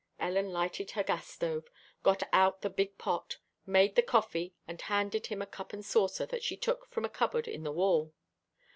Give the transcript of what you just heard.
Ellen lighted her gas stove, got out the big pot, made the coffee, and handed him a cup and saucer that she took from a cupboard in the wall.